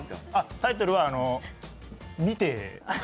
タイトルは「見て」。